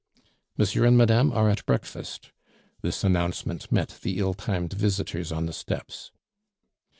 "Monsieur and madame are at breakfast" this announcement met the ill timed visitors on the steps.